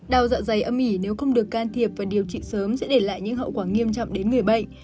đau dạ dày âm ỉ nếu không được can thiệp và điều trị sớm sẽ để lại những hậu quả nghiêm trọng đến người bệnh